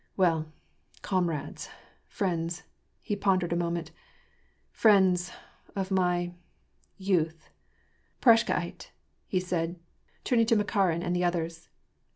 Well, comrades, friends "— he pondered a moment —" friends — of my — youth, prashckd i'^e," he said, turning to Makarin and the others.